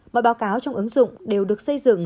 mọi báo cáo trong ứng dụng đều được xây dựng